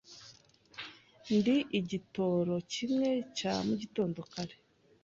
Ndi igitoro kimwe cya ka mugitondo cyakare